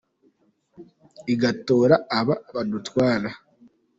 Igatora aba badutwara